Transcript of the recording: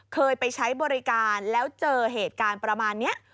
เคยไปใช้บริการแล้วเจอเหตุการณ์ประมาณนี้